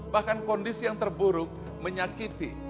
bahkan kondisi yang terburuk menyakiti